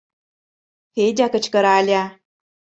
— Федя кычкырале.